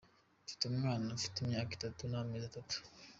Mfite umwana, ufite imyaka itatu n'amezi atatu.